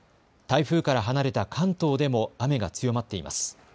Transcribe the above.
台風から離れた関東でも雨が強まっています。